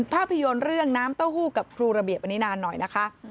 ภาพยนตร์เรื่องน้ำเต้าหู้กับครูระเบียบอันนี้นานหน่อยนะคะ